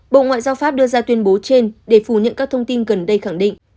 bộ ngoại giao pháp đưa ra tuyên bố trên để phủ nhận các thông tin gần đây khẳng định